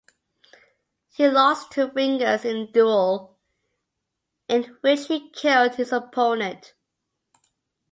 He lost two fingers in a duel in which he killed his opponent.